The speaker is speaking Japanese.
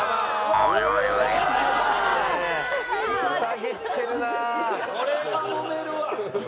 これはもめるわ。